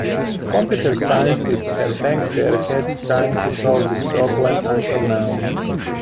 Computer scientists have banged their heads trying to solve this problem until now.